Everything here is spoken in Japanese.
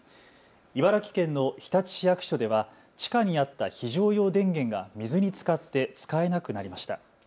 茨城県の日立市役所では地下にあった非常用電源が水につかって使えなくなりました。